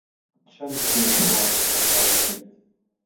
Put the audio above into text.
چەند جێژوانم لەگەڵ کرد